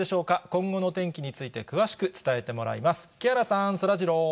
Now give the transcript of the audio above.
今後の天気について詳しく伝えてもらいます。